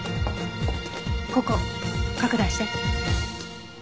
ここ拡大して。